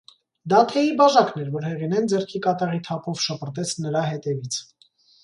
Դա թեյի բաժակն էր, որ Հեղինեն ձեռքի կատաղի թափով շպրտեց նրա հետևից: